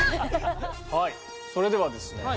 はいそれではですねオカリナ